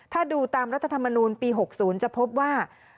ถ้าดูตามรัฐธรรมนูลปี๖๐จะพบว่า